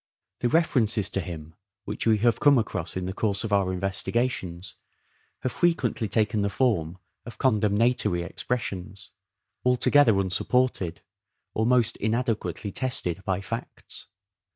The references to him, which we have come across in the course of our investigations, have frequently taken the form of condemnatory expressions, altogether unsupported, or most inadequately tested by facts.